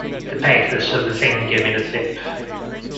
The pathos of the thing gave me the pip.